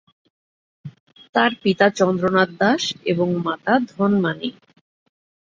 তার পিতা চন্দ্রনাথ দাশ এবং মাতা ধনমাণি।